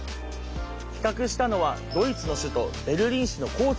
企画したのはドイツの首都ベルリン市の交通局。